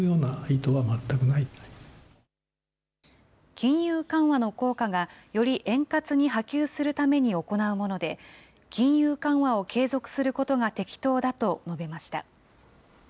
金融緩和の効果が、より円滑に波及するために行うもので、金融緩和を継続することが適当だと述べました。